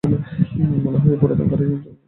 মনে হয় এই পুরাতন ঘড়ি সময়ের আগে ঘোরে।